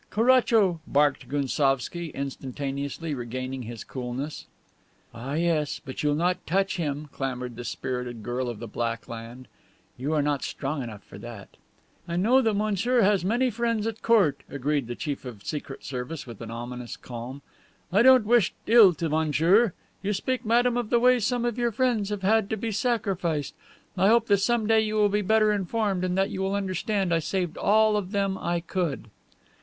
"Caracho!" barked Gounsovski, instantaneously regaining his coolness. "Ah, yes, but you'll not touch him," clamored the spirited girl of the Black Land; "you are not strong enough for that." "I know that monsieur has many friends at court," agreed the chief of the Secret Service with an ominous calm. "I don't wish ill to monsieur. You speak, madame, of the way some of your friends have had to be sacrificed. I hope that some day you will be better informed, and that you will understand I saved all of them I could."